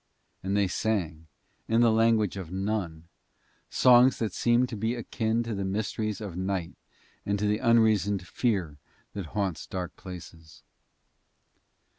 And they sang, in the language of none, songs that seemed to be akin to the mysteries of night and to the unreasoned fear that haunts dark places.